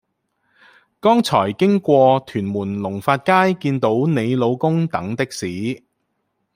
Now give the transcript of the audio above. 剛才經過屯門龍發街見到你老公等的士